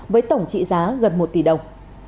với tổng trị giá gần một tỷ đồng